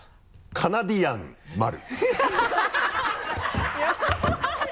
カナディアンマル。